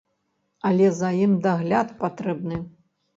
Але за ім дагляд патрэбны.